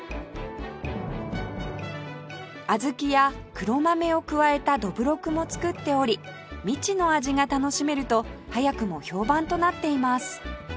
小豆や黒豆を加えたどぶろくも造っており未知の味が楽しめると早くも評判となっています